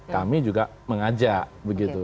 kami juga mengajak begitu